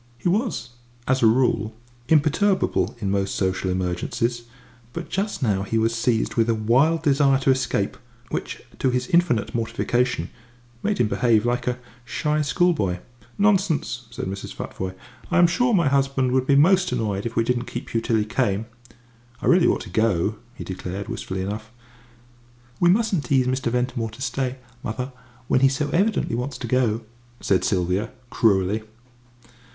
He was, as a rule, imperturbable in most social emergencies, but just now he was seized with a wild desire to escape, which, to his infinite mortification, made him behave like a shy schoolboy. "Nonsense!" said Mrs. Futvoye; "I am sure my husband would be most annoyed if we didn't keep you till he came." "I really ought to go," he declared, wistfully enough. "We mustn't tease Mr. Ventimore to stay, mother, when he so evidently wants to go," said Sylvia, cruelly.